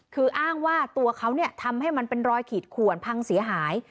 คืออ้างว่าตัวเขาทำให้มันเป็นรอยขีดขวนพังเสียหาย